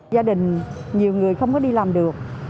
gia đình nhiều người không có đi làm được